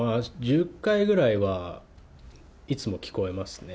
１０回ぐらいはいつも聞こえますね。